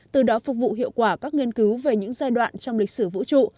từ đó phục vụ hiệu quả các nghiên cứu về những giai đoạn trong lịch sử vũ trụ